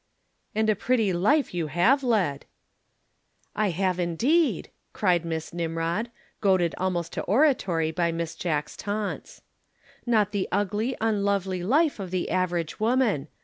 "And a pretty life you have led!" "I have, indeed!" cried Miss Nimrod, goaded almost to oratory by Miss Jack's taunts. "Not the ugly, unlovely life of the average woman.